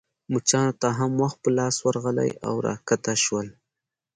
مچانو ته هم وخت په لاس ورغلی او راکښته شول.